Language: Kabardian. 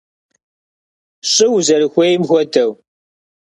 ЩӀы узэрыхуейм хуэдэу!